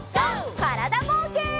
からだぼうけん。